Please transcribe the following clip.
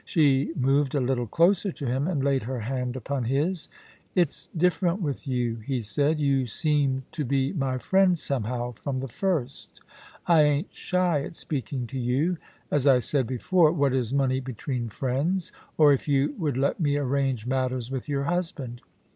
She moved a little closer to him, and laid her hand upon his. ' It's different with you,' he said. * You seemed to be my friend somehow from the first I ain't shy at speaking to yoa As I said before, what is money between friends? Or if you would let me arrange matters with your husband.